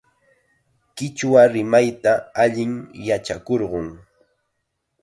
Qichwa rimayta allim yachakurqun.